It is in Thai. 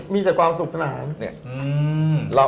มีแต่ความสุขภาะ